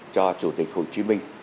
cho chủ tịch hồ chí minh